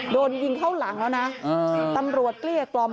โดนยิงเข้าหลังแล้วนะตำรวจเกลี้ยกล่อม